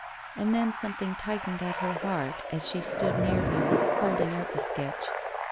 And then something tightened at her heart as she stood near him, holding out the sketch.